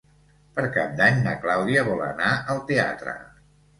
Per Cap d'Any na Clàudia vol anar al teatre.